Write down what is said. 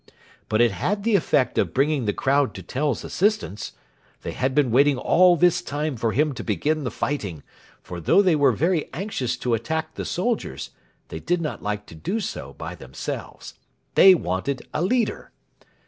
But it had the effect of bringing the crowd to Tell's assistance. They had been waiting all this time for him to begin the fighting, for though they were very anxious to attack the soldiers, they did not like to do so by themselves. They wanted a leader.